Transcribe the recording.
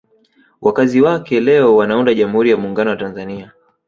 Wakazi wake leo wanaunda Jamhuri ya Muungano wa Tanzania